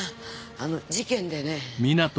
あの事件でね。